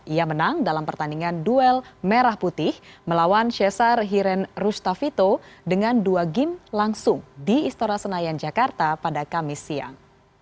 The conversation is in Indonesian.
ia menang dalam pertandingan duel merah putih melawan cesar hiren rustavito dengan dua game langsung di istora senayan jakarta pada kamis siang